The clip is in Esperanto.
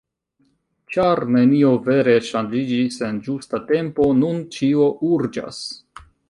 Ĉar nenio vere ŝanĝiĝis en ĝusta tempo, nun ĉio urĝas.